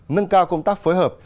nâng cao công tác phối hợp